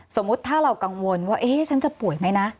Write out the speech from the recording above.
สมมุติถ้าเรากังวลว่าฉันจะป่วยไหมนะ